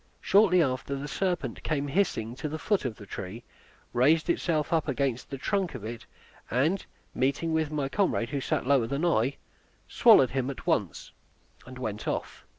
Shortly after the serpent came hissing to the foot of the tree; raised itself up against the trunk of it, and meeting with my comrade, who sat lower than I, swallowed him at once, and went off.